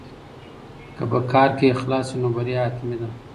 که په کار کې اخلاص وي نو بریا حتمي ده.